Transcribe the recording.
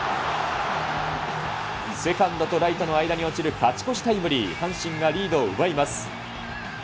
セカンドとライトの間に落ちる勝ち越しタイムリー、阪神がリードを奪います。